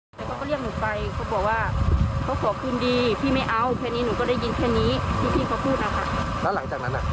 นายคำพุทธก็บอกว่านายไปดึงแล้วนายคำพุทธก็ขากหนูติดฝากัน